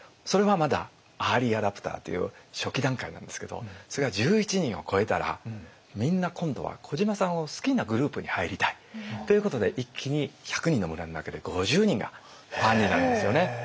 それはまだアーリーアダプターという初期段階なんですけどそれが１１人をこえたらみんな今度は小島さんを好きなグループに入りたい。ということで一気に１００人の村の中で５０人がファンになるんですよね。